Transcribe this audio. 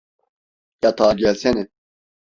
Yatağa gelsene.